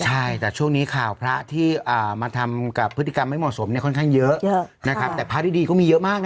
ใช่แต่ช่วงนี้ข่าวพระที่มาทำกับพฤติกรรมไม่เหมาะสมเนี่ยค่อนข้างเยอะนะครับแต่พระดีก็มีเยอะมากนะ